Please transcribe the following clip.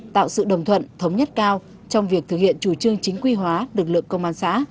tạo sự đồng thuận thống nhất cao trong việc thực hiện chủ trương chính quy hóa lực lượng công an xã